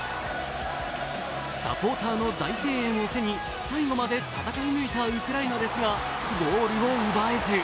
サポーターの大声援を背に最後まで戦い抜いたウクライナですがゴールを奪えず。